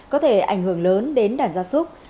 có thể ảnh hưởng lớn đến đàn gia súc